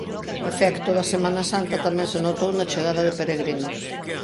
O efecto da semana santa tamén se notou na chegada de peregrinos.